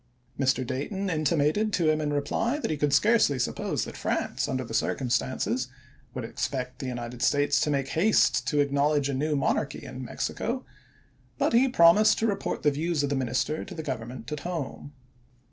Mr. Dayton intimated to him in reply that he could scarcely suppose that France, under the circumstances, would expect the United States to make haste to acknowledge a new monarchy in Mexico ; but he Dayton promised to report the views of the Minister to the octf SrSra. Government at home.